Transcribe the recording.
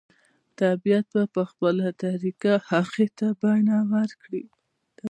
طبیعت به په خپله طریقه هغې ته بڼه ورکړي